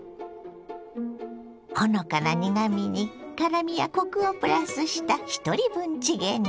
ほのかな苦みに辛みやコクをプラスしたひとり分チゲに。